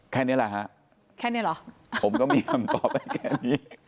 แค่นี้แหละฮะแค่นี้เหรอผมก็มีคำตอบไปแค่นี้